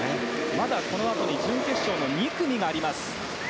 まだこのあとに準決勝２組があります。